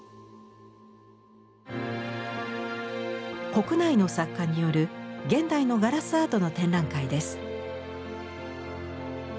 国内の作家による現代のガラスアートの展覧会です。